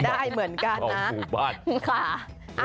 ได้เหมือนกันนะค่ะเอาหมู่บ้าน